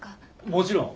もちろん。